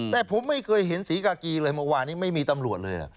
แต่ผมไม่เคยเห็นศรีกากีเลยเมื่อวานนี้ไม่มีตำรวจเลย